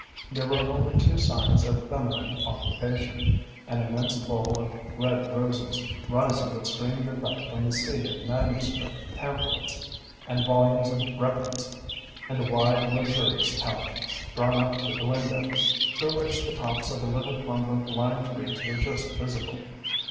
There were only two signs of feminine occupation: an immense bowl of red roses, rising with strange effect from the sea of manuscript, pamphlets, and volumes of reference, and a wide, luxurious couch, drawn up to the window, through which the tops of a little clump of lime trees were just visible.